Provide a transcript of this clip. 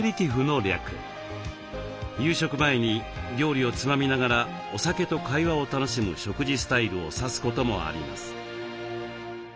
夕食前に料理をつまみながらお酒と会話を楽しむ食事スタイルを指すこともあります。